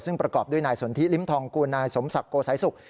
ซึ่งประกอบด้วยนายสนทิลิ้มทองกูลนายสมศักดิ์โกสายสุข